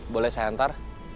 boleh saya hantar